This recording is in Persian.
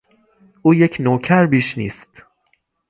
او یک نوکر بیش نیست.